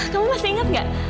kamu masih ingat nggak